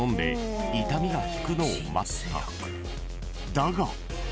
［だが］